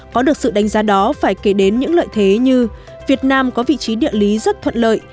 có được sự đánh giá đó phải kể đến những lợi thế như việt nam có vị trí địa lý rất thuận lợi